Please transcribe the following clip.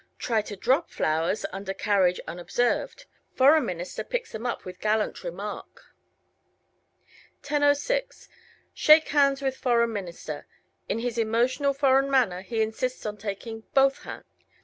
Try to drop flowers under carriage unobserved. Foreign Minister picks them up with gallant remark. 10:06 Shake hands with Foreign Minister. In his emotional foreign manner he insists on taking both hands.